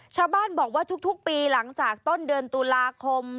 ชาวบ้านบอกว่าทุกปีหลังจากต้นเดือนตุลาคม